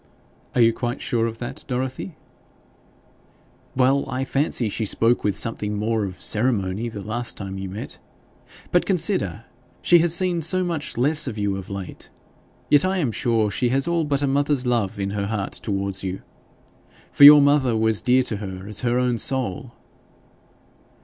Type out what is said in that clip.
'Are you quite sure of that, Dorothy?' 'Well I did fancy she spoke with something more of ceremony the last time you met. But, consider, she has seen so much less of you of late. Yet I am sure she has all but a mother's love in her heart towards you. For your mother was dear to her as her own soul.'